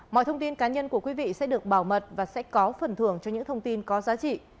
mọi thông tin cá nhân của quý vị sẽ được bảo mật và sẽ có phần thưởng cho những thông tin có giá trị